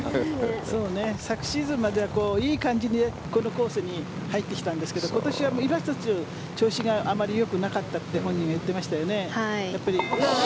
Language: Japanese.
昨シーズンまではいい感じにこのコースに入ってきたんですけど今年はいま一つ調子がよくなかったって本人も言ってましたよね。